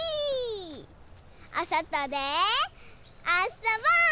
おそとであそぼう！